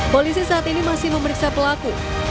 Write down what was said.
polisi saat ini masih memeriksa pelaku